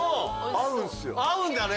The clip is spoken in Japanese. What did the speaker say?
合うんだね。